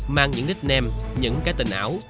mang những nickname những cái tên ảo